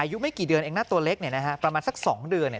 อายุไม่กี่เดือนเองนะตัวเล็กเนี่ยนะฮะประมาณสักสองเดือนเนี่ย